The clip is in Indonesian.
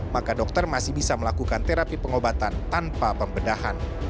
maka dokter masih bisa melakukan terapi pengobatan tanpa pembedahan